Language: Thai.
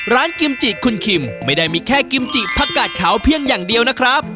กิมจิคุณคิมไม่ได้มีแค่กิมจิผักกาดขาวเพียงอย่างเดียวนะครับ